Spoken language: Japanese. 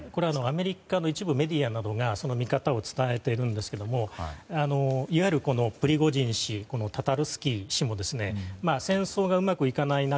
アメリカの一部メディアがその見方を伝えているんですがいわゆるプリゴジン氏、タタルスキー氏も戦争がうまくいかない中